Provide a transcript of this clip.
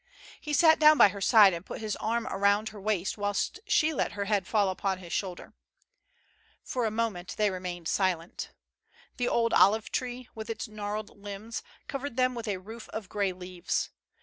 He sat down by her side and put 126 DISCOVERED. his arm round her waist whilst she let her head fall upon his shoulder. For a moment they remained silent. The old olive tree, with its gnarled limbs, covered them with a roof of gray leaves.